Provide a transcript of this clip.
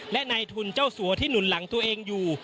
และนายทุนเจ้าสัวที่หนุนหลังตัวเองอยู่